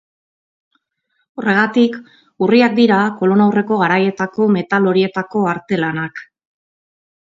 Horregatik, urriak dira kolonaurreko garaietako metal horietako artelanak.